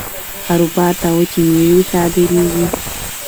اروپا ته وچې میوې صادریږي.